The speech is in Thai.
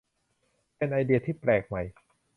เป็นไอเดียที่แปลกใหม่